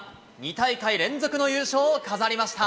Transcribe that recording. ２大会連続の優勝を飾りました。